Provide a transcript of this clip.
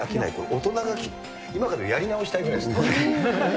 大人が今からやり直したいぐらいですね。